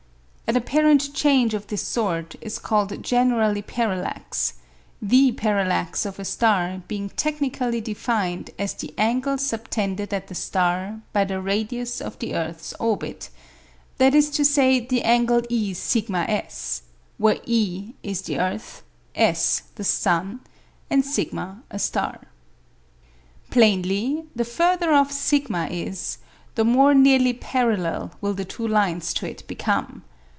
An apparent change of this sort is called generally parallax; the parallax of a star being technically defined as the angle subtended at the star by the radius of the earth's orbit: that is to say, the angle E[sigma]S; where E is the earth, S the sun, and [sigma] a star (Fig. 91). Plainly, the further off [sigma] is, the more nearly parallel will the two lines to it become.